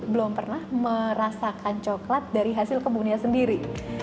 belum pernah merasakan coklat dari hasil kebunnya sendiri